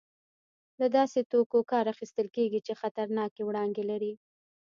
له داسې توکو کار اخیستل کېږي چې خطرناکې وړانګې لري.